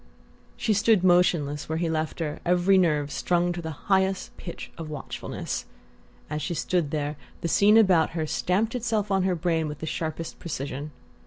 She stood motionless where he left her, every nerve strung to the highest pitch of watchfulness. As she stood there, the scene about her stamped itself on her brain with the sharpest precision.